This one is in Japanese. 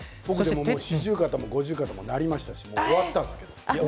四十肩も五十肩もなりましたし、終わったんです。